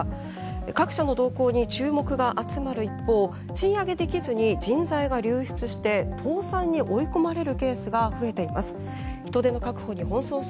各社の動向に注目が集まる一方賃上げできずに人材が流出して倒産に追い込まれるケースが増えています。